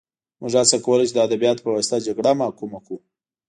موږ هڅه کوله چې د ادبیاتو په واسطه جګړه محکومه کړو